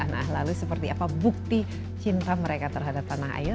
nah lalu seperti apa bukti cinta mereka terhadap tanah air